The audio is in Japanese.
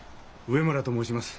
上村と申します。